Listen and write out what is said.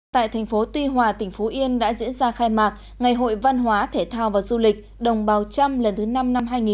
tại thành phố tuy hòa tỉnh phú yên đã diễn ra khai mạc ngày hội văn hóa thể thao và du lịch đồng bào trăm lần thứ năm năm hai nghìn một mươi chín